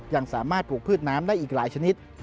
ยังสามารถปลูกพืชน้ำได้อีกหลายชนิด